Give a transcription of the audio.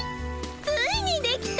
ついにできた。